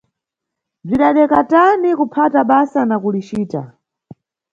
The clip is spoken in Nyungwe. Bzidadeka tani kuphata basa na kulicita!